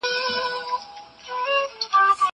زه اوږده وخت د کتابتون د کار مرسته کوم!!